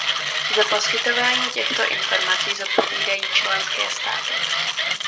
Za poskytování těchto informací zodpovídají členské státy.